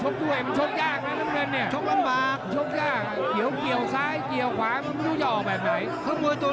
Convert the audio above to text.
มันชบไปมันไม่มีใครอยากชบด้วย